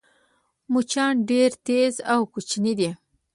مچان ډېر تېز او کوچني دي